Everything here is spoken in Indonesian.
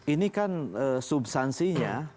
ini kan subsansinya